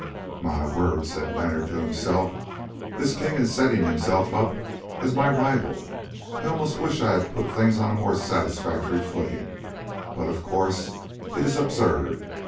"My word!" said Leonard to himself, "this king is setting himself up as my rival. I almost wish I had put things on a more satisfactory footing; but of course it is absurd.